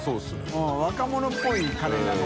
Δ若者っぽいカレーだね。